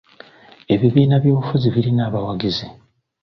Ebibiina by'obufuzi birina abawagizi.